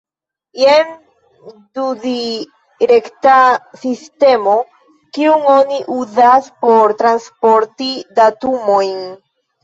Jen dudirekta sistemo, kiun oni uzas por transporti datumojn.